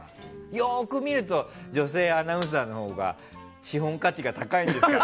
よく見ると女性アナウンサーのほうが資本価値が高いんですから。